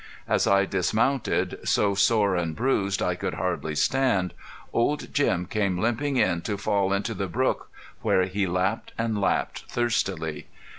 As I dismounted, so sore and bruised I could hardly stand, old Jim came limping in to fall into the brook where he lapped and lapped thirstily.